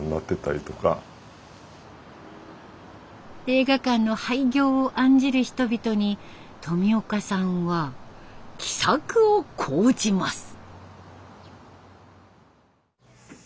映画館の廃業を案じる人々に冨岡さんは奇策を講じます。